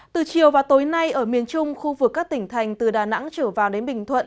từ chiều và tối nay ở miền trung khu vực các tỉnh thành từ đà nẵng trở vào đến bình thuận